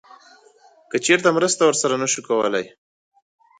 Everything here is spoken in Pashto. که چیرته مرسته ورسره نه شو کولی